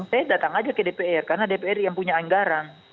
saya datang aja ke dpr karena dpr yang punya anggaran